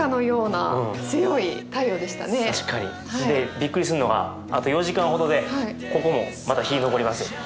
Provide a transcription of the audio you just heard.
びっくりするのがあと４時間ほどでここもまた日昇ります。